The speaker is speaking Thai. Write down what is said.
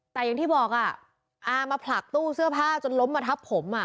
แต่อย่างที่บอกอ่ะอามาผลักตู้เสื้อผ้าจนล้มมาทับผมอ่ะ